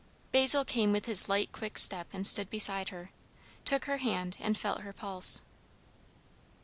Basil came with his light quick step and stood beside her; took her hand and felt her pulse.